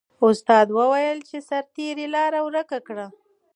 استاد وویل چې سرتیري لاره ورکه کړه.